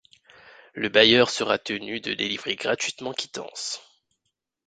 Le bailleur sera tenu de délivrer gratuitement quittance.